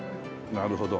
なるほど。